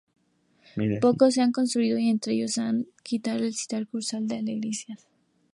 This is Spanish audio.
Pocos se han construido, y entre ellos hay que citar el Kursaal de Algeciras.